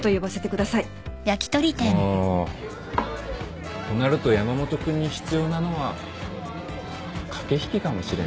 まあとなると山本君に必要なのは駆け引きかもしれんね。